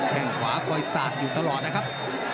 แค่งขวาคอยสาดอยู่ตลอดนะครับ